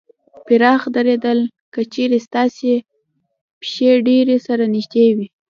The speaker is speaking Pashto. پراخ درېدل : که چېرې ستاسې پښې ډېرې سره نږدې وي